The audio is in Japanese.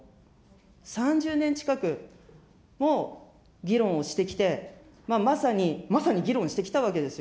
３０年近く、もう議論をしてきて、まさに、まさに議論してきたわけですよ。